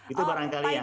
itu barangkali yang